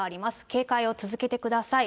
警戒を続けてください。